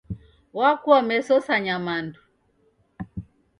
Wakua meso sa nyamandu